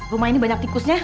rumah ini banyak tikusnya